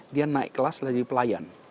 dia naik kelas menjadi pelayan